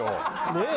ねえ。